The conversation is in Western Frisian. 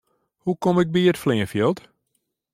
Hoe kom ik by it fleanfjild?